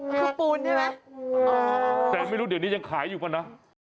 คือปูนใช่ไหมแต่ไม่รู้เดี๋ยวนี้ยังขายอยู่ป่ะนะ